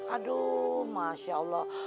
aduh masya allah